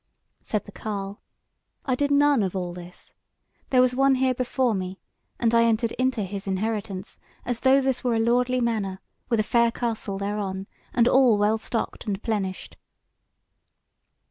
Said the carle: "I did none of all this; there was one here before me, and I entered into his inheritance, as though this were a lordly manor, with a fair castle thereon, and all well stocked and plenished."